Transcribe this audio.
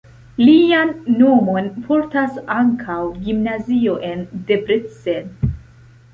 Lian nomon portas ankaŭ gimnazio en Debrecen.